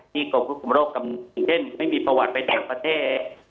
ที่กรมคุมโรคอย่างเช่นไม่มีประวัติไปจากประเทศ